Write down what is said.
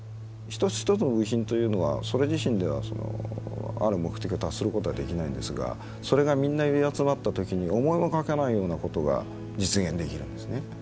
一つ一つの部品というのはそれ自身ではある目的を達することはできないんですがそれがみんな寄り集まった時に思いもかけないようなことが実現できるんですね。